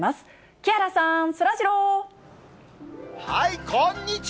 木原さん、そらジロー。